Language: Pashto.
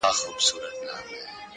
قربان د عِشق تر لمبو سم، باید ومي سوځي،